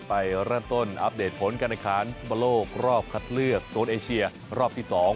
ไปเริ่มต้นอัปเดตผลการแข่งขันฟุตบอลโลกรอบคัดเลือกโซนเอเชียรอบที่๒